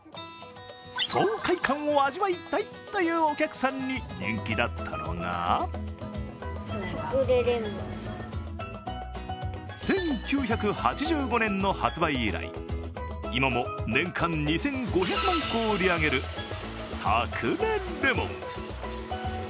爽快感を味わいたいというお客さんに人気だったのが１９８５年の発売以来、今も年間２５００万個を売り上げるサクレレモン。